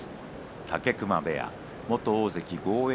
武隈部屋、元大関豪栄